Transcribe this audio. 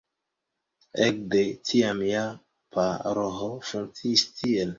Ekde tiam jam paroĥo funkciis tie.